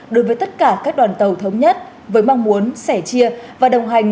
đối với tất cả các đoàn tàu thống nhất với mong muốn sẻ chia và đồng hành